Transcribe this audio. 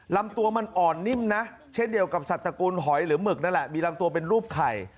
ลำตัวมันอ่อนนิ่มนะเช่นเดียวกับสัตว์ตระกูลหอยหรือหมึกนั่นแหละมีลำตัวเป็นรูปไข่